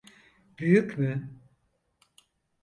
Büyük mü?